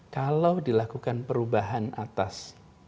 kalau dilakukan perubahan atas